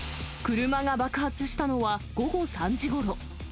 車が爆発したのは午後３時ごろ。